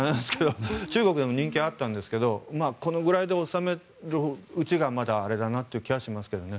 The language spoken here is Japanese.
中国でも人気があったんですがこのぐらいで納めているうちがまだあれだなという気がしますけどね。